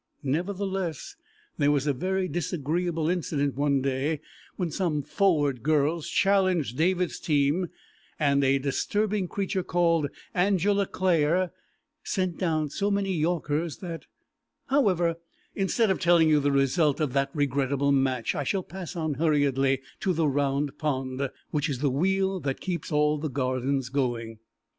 Nevertheless, there was a very disagreeable incident one day when some forward girls challenged David's team, and a disturbing creature called Angela Clare sent down so many yorkers that However, instead of telling you the result of that regrettable match I shall pass on hurriedly to the Round Pond, which is the wheel that keeps all the Gardens going.